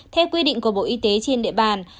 theo quy định của bộ y tế trên địa bàn